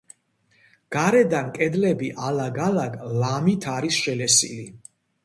გარედან კედლები ალაგ-ალაგ ლამით არის შელესილი.